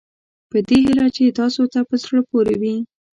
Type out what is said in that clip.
په دې هیله چې تاسوته په زړه پورې وي.